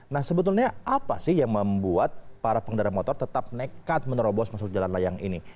nah sebetulnya apa sih yang membuat para pengendara motor tetap nekat menerobos masuk jalan layang ini